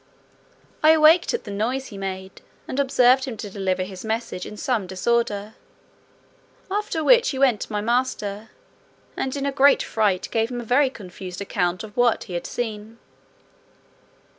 I awaked at the noise he made, and observed him to deliver his message in some disorder; after which he went to my master, and in a great fright gave him a very confused account of what he had seen.